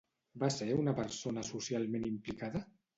Va ser una persona socialment implicada?